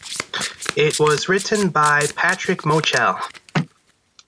It was written by Patrick Mochel.